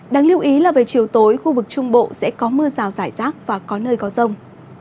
đáng lưu ý là về chiều tối khu vực trung bộ sẽ có mưa rào rải rác và có nơi có rông